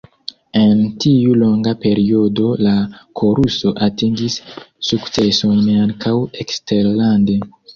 En tiu longa periodo la koruso atingis sukcesojn ankaŭ eksterlande.